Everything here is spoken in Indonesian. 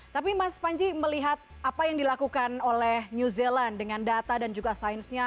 tapi mas panji melihat apa yang dilakukan oleh new zealand dengan data dan juga sainsnya